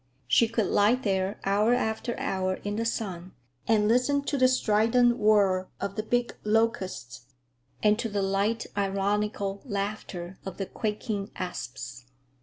She could lie there hour after hour in the sun and listen to the strident whir of the big locusts, and to the light, ironical laughter of the quaking asps.